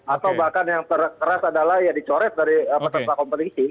atau bahkan yang terkeras adalah ya dicoret dari peserta kompetisi